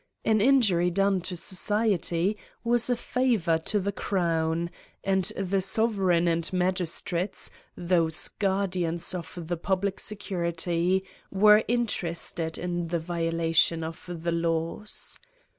An injury done to so ciety was a favour to the crown ; and the sove reign and magistrates, those guardians of the pub lic security, were interested in the violation of the laws.